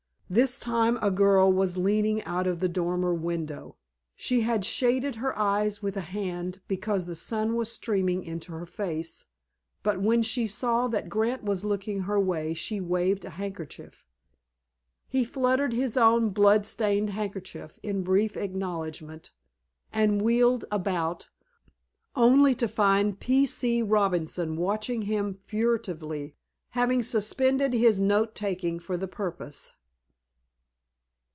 This time a girl was leaning out of the dormer window. She had shaded her eyes with a hand, because the sun was streaming into her face, but when she saw that Grant was looking her way she waved a handkerchief. He fluttered his own blood stained handkerchief in brief acknowledgment, and wheeled about, only to find P. C. Robinson watching him furtively, having suspended his note taking for the purpose.